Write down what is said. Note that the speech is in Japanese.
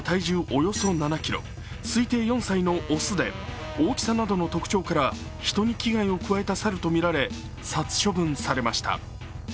およそ７ｋｇ推定４歳の雄で大きさなどの特徴から人に危害を加えた猿とみられ殺処分されました。